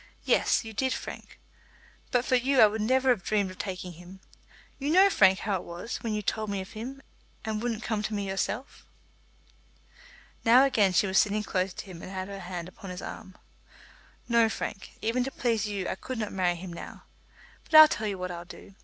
Yes, you did, Frank. But for you I would never have dreamed of taking him. You know, Frank, how it was, when you told me of him and wouldn't come to me yourself." Now again she was sitting close to him and had her hand upon his arm. "No, Frank; even to please you I could not marry him now. But I'll tell you what I'll do.